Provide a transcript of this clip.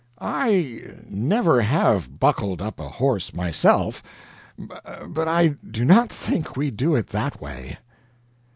I never have buckled up a horse myself, but I do not think we do it that way.